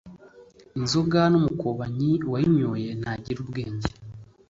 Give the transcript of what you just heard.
Inzoga numukobanyi awayinyoye ntagira ubwenge